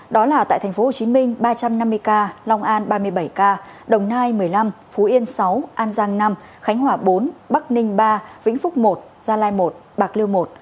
đó là tại tp hcm ba trăm năm mươi ca long an ba mươi bảy ca đồng nai một mươi năm phú yên sáu an giang năm khánh hòa bốn bắc ninh ba vĩnh phúc một gia lai một bạc liêu một